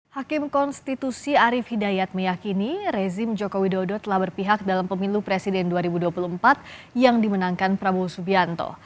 hakim konstitusi arief hidayat meyakini rezim joko widodo telah berpihak dalam pemilu presiden dua ribu dua puluh empat yang dimenangkan prabowo subianto